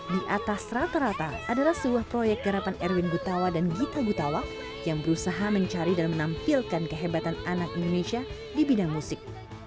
di atas rata rata adalah sebuah proyek garapan erwin gutawa dan gita gutawaf yang berusaha mencari dan menampilkan kehebatan anak indonesia di bidang musik